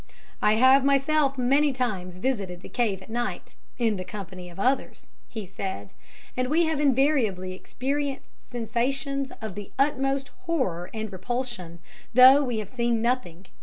"I have myself many times visited the cave at night in the company of others," he said, "and we have invariably experienced sensations of the utmost horror and repulsion, though we have seen nothing.